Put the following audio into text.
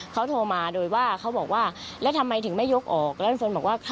เพราะว่านี่เพราะว่ามันซ๔๐๑บาท